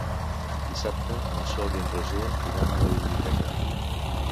Dissabte na Sol i en Roger iran a la biblioteca.